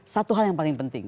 satu hal yang paling penting